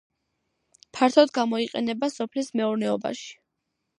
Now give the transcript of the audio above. ფართოდ გამოიყენება სოფლის მეურნეობაში.